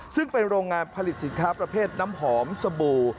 ซึ่งเป็นโรงงานผลิตสินค้าประเภทน้ำหอมสบู่